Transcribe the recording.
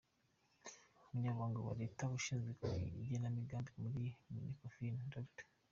Umunyamabanga wa Leta ushinzwe igenamigambi muri Minecofin, Dr.